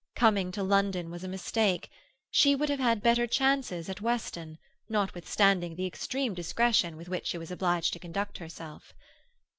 Coming to London was a mistake. She would have had better chances at Weston, notwithstanding the extreme discretion with which she was obliged to conduct herself.